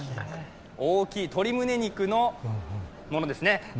大きい鶏胸肉のものですね。